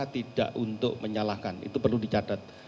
tidak untuk menyalahkan itu perlu dicatat